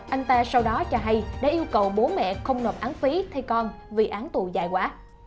anh ta sau đó cho hay đã yêu cầu bố mẹ không nộp án phí thay con vì án tù giải quá